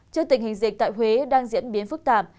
trước tình hình dịch tại huế đang diễn biến phức tạp